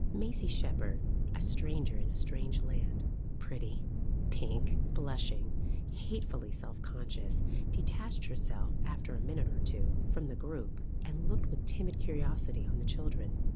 Maisie Shepherd, a stranger in a strange land, pretty, pink, blushing, hatefully self conscious, detached herself, after a minute or two, from the group and looked with timid curiosity on the children.